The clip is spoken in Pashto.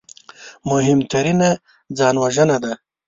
مهمترینه ځانوژنه ده